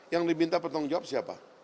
yang diminta bertanggung jawab siapa